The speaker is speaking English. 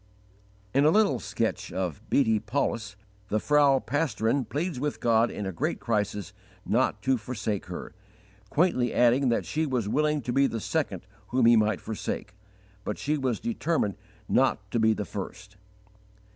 In a little sketch of Beate Paulus, the Frau Pastorin pleads with God in a great crisis not to forsake her, quaintly adding that she was "willing to be the second whom He might forsake," but she was "determined not to be the _first."